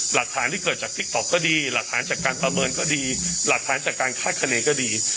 หลักฐานที่เกิดจากติ๊กต๊อกก็ดีหลักฐานจากการประเมินก็ดีหลักฐานจากการคาดคณีก็ดี